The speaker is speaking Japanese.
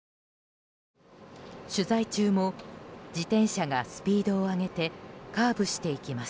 取材中も自転車がスピードを上げてカーブしていきます。